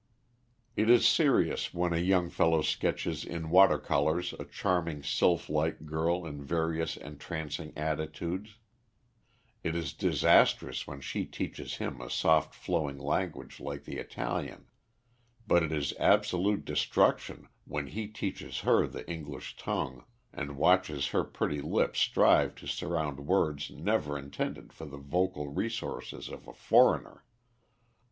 It is serious when a young fellow sketches in water colours a charming sylph like girl in various entrancing attitudes; it is disastrous when she teaches him a soft flowing language like the Italian; but it is absolute destruction when he teaches her the English tongue and watches her pretty lips strive to surround words never intended for the vocal resources of a foreigner.